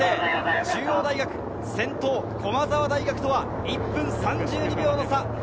中央大学、先頭・駒澤大学とは１分３２秒の差。